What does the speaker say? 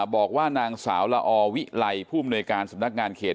บอกว่านางสาวละอวิไลผู้อำนวยการสำนักงานเขต